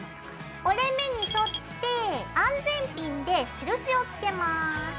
折れ目に沿って安全ピンで印をつけます。